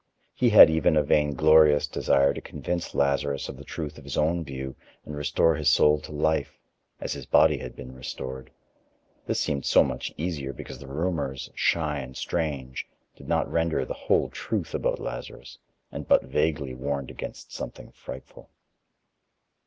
He had even a vainglorious desire to convince Lazarus of the truth of his own view and restore his soul to life, as his body had been restored. This seemed so much easier because the rumors, shy and strange, did not render the whole truth about Lazarus and but vaguely warned against something frightful.